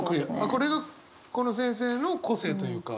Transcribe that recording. これがこの先生の個性というか。